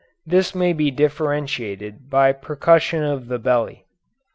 This may be differentiated by percussion of the belly.